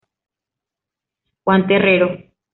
Juan Terrero.